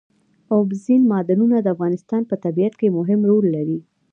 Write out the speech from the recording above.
اوبزین معدنونه د افغانستان په طبیعت کې مهم رول لري.